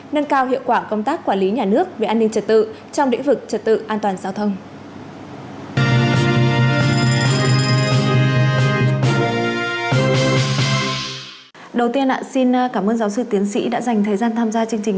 nâng cao hiệu quả công tác quản lý nhà nước về an ninh trật tự trong lĩnh vực trật tự an toàn giao thông